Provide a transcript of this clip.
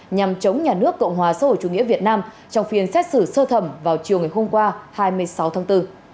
nhằm chống nhà nước cộng hòa xã hội chủ nghĩa việt nam trong phiên xét xử sơ thẩm vào chiều ngày hôm qua hai mươi sáu tháng bốn